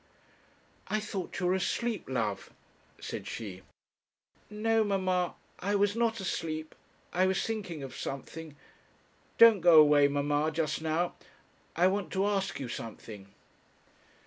'I thought you were asleep, love,' said she. 'No, mamma, I was not asleep. I was thinking of something. Don't go away, mamma, just now. I want to ask you something.'